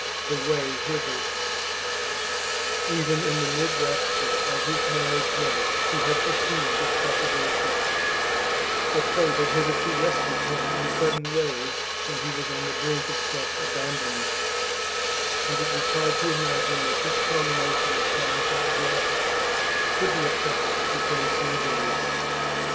THE WAY HITHER Even in mid rapture of his marriage month he had foreseen this possibility; but fate had hitherto rescued him in sudden ways when he was on the brink of self abandonment, and it was hard to imagine that this culmination of triumphant joy could be a preface to base miseries.